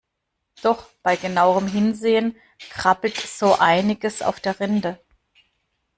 Doch bei genauerem Hinsehen krabbelt so einiges auf der Rinde.